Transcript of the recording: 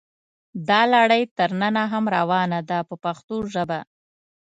دا لړۍ تر ننه هم روانه ده په پښتو ژبه.